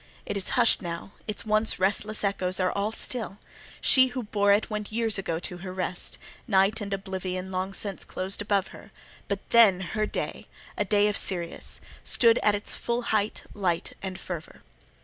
It is hushed now: its once restless echoes are all still; she who bore it went years ago to her rest: night and oblivion long since closed above her; but then her day—a day of Sirius—stood at its full height, light and fervour.